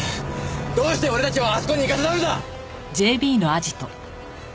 どうして俺たちをあそこに行かせたんだ！